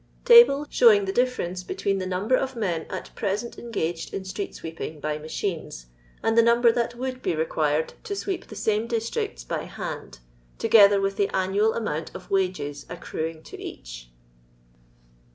TABLE SHOWING THE DIFFERENCE BETWEEN THE NUMBER OF MRU AT PRBSBNT ENGAGED IN STREET SWEEPING BT MACHINES, AND THQ NUMBER THAT WOULD BE REQUIRED TO SWEEP THE SAME DISTRICTS BTHAND, TOGETHER WITH THE ANNUAL AMOUNT OF WAGES ACCRU ING TO BACH.